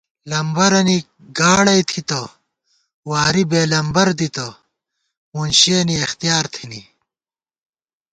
لمبَرَنی گاڑَئی تھِتہ واری بېلمبر دِتہ مُنشِیَنی اختِیار تھنی